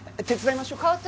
手伝いましょうか？